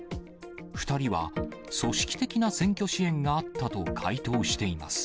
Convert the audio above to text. ２人は、組織的な選挙支援があったと回答しています。